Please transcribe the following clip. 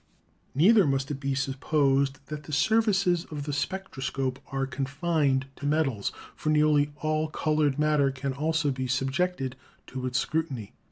Neither must it be supposed that the services of the spectroscope are confined to metals, for nearly all colored matter can also be subjected to its scrutiny.